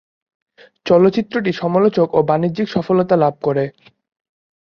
চলচ্চিত্রটি সমালোচক ও বাণিজ্যিক সফলতা লাভ করে।